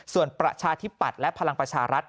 ส่วนประชาธิปัตย์และพลังประชารัฐ